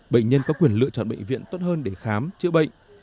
bệnh nhân có quyền lựa chọn bệnh viện tốt hơn để khám chữa bệnh